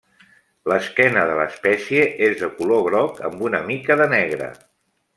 L'esquena de l'espècie és de color groc amb una mica de negre.